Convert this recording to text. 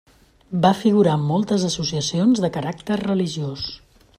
Va figurar en moltes associacions de caràcter religiós.